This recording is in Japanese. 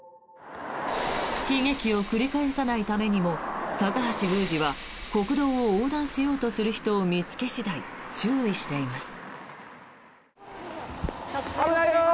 悲劇を繰り返さないためにも高橋宮司は国道を横断とする人を見つけ次第注意しています。